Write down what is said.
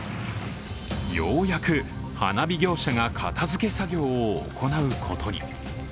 ようやく花火業者が片づけ作業を行うことに。